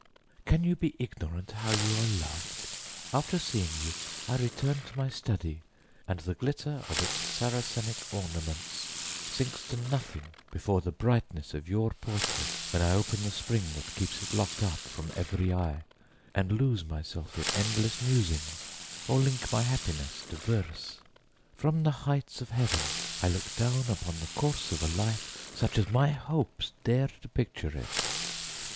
Can you be ignorant how you are loved? After seeing you, I return to my study, and the glitter of its Saracenic ornaments sinks to nothing before the brightness of your portrait, when I open the spring that keeps it locked up from every eye and lose myself in endless musings or link my happiness to verse. From the heights of heaven I look down upon the course of a life such as my hopes dare to picture it!